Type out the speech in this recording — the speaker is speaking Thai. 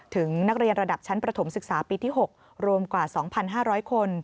ถึงนักเรียนระดับชั้นประถมศึกษาปีที่๖รวมกว่า๒๕๐๐คน